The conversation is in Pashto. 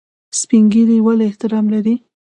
سپین ږیری ولې احترام لري؟